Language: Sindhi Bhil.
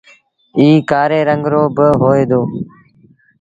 ائيٚݩ ڪآري رنگ رو با هوئي دو۔